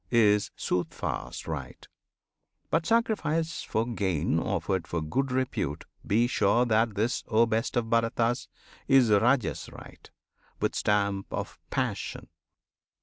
Is "Soothfast" rite. But sacrifice for gain, Offered for good repute, be sure that this, O Best of Bharatas! is Rajas rite, With stamp of "passion."